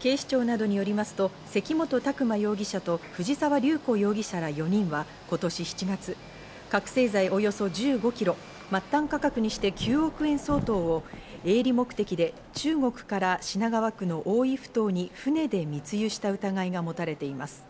警視庁などよりますと関本琢磨容疑者と藤沢龍虎容疑者ら４人は今年７月、覚醒剤およそ１５ｋｇ、末端価格にして９億円相当を営利目的で中国から品川区の大井ふ頭に船で密輸した疑いがもたれています。